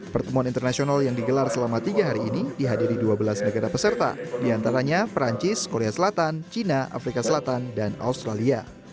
pertemuan internasional yang digelar selama tiga hari ini dihadiri dua belas negara peserta diantaranya perancis korea selatan cina afrika selatan dan australia